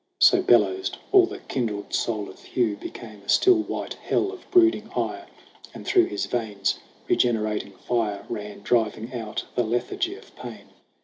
So bellowsed, all the kindled soul of Hugh Became a still white hell of brooding ire, And through his veins regenerating fire Ran, driving out the lethargy of pain.